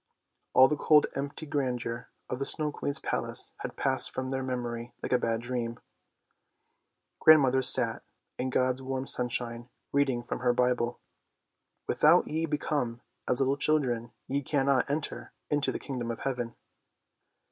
All the cold empty grandeur of the Snow Queen's palace had passed from their memory like a bad dream. Grandmother sat in God's warm sunshine reading from her Bible. " Without ye become as little children ye cannot enter into the Kingdom of Heaven."